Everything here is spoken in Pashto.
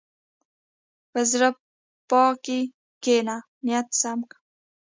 په زړه پاکۍ کښېنه، نیت سم کړه.